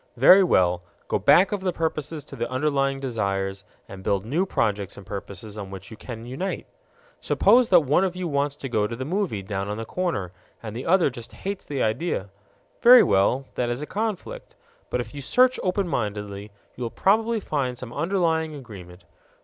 Very well, go back of the purposes to the underlying desires, and build new projects and purposes on which you can unite. Suppose that one of you wants to go to the movie down on the corner and the other just hates the idea. Very well; that is a conflict. But if you search open mindedly, you will probably find some underlying agreement.